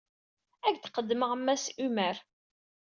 Ad ak-d-qeddmeɣ Mass Hummer.